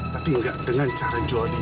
tapi nggak dengan cara jual dia